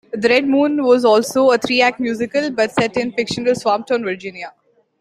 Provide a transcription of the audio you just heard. "The Red Moon" was also a three-act musical, but set in fictional "Swamptown, Virginia".